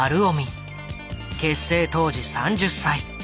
結成当時３０歳。